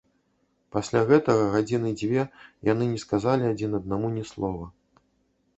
Пасля гэтага гадзіны дзве яны не сказалі адзін аднаму ні слова.